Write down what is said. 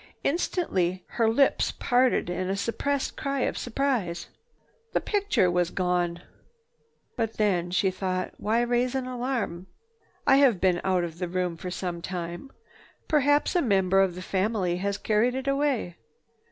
Instantly her lips parted in a suppressed cry of surprise. The picture was gone! "But then," she thought, "why raise an alarm? I have been out of the room for some time. Perhaps a member of the family has carried it away."